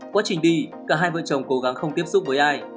quá trình đi cả hai vợ chồng cố gắng không tiếp xúc với ai